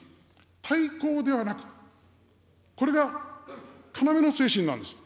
対抗ではなくこれが要の精神なんです。